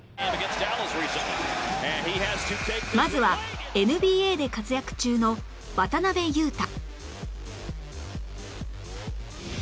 まずは ＮＢＡ で活躍中の渡邊雄太